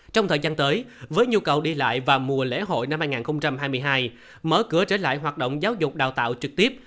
trong thời gian tới với nhu cầu đi lại và mùa lễ hội năm hai nghìn hai mươi hai mở cửa trở lại hoạt động giáo dục đào tạo trực tiếp